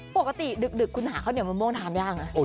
ปกติดึกคุณหาข้าวเหนียวมะม่วงทานยากนะ